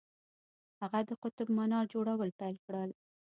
هغه د قطب منار جوړول پیل کړل.